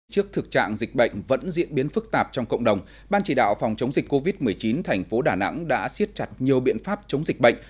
trước thực trạng dịch bệnh vẫn diễn biến phức tạp trong cộng đồng ban chỉ đạo phòng chống dịch covid một mươi chín thành phố đà nẵng đã siết chặt nhiều biện pháp chống dịch bệnh